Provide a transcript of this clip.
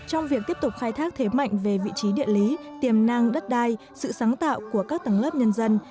trong việc tiếp tục khai thác thế mạnh về vị trí địa lý tiềm năng đất đai sự sáng tạo của các tầng lớp nhân dân